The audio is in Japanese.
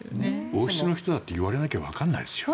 王室の人だって言われなきゃわからないですよ。